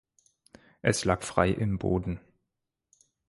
Es lag frei im Boden.